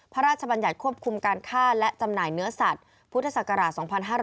พระราชบัญญัติควบคุมการฆ่าและจำหน่ายเนื้อสัตว์พุทธศักราช๒๕๕๙